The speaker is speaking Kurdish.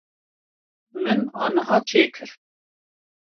Min aniha çêkir.